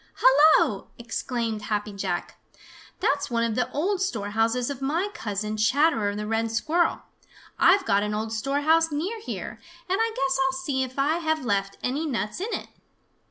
"Hello!" exclaimed Happy Jack. "That's one of the old storehouses of my cousin, Chatterer the Red Squirrel! I've got an old storehouse near here, and I guess I'll see if I have left any nuts in it."